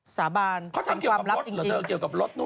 สาบานเป็นความลับจริงเขาทำเกี่ยวกับรถหรอเจอเกี่ยวกับรถนู่น